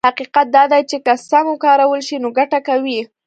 حقيقت دا دی چې که سم وکارول شي نو ګټه کوي.